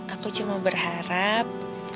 aku cuma berharap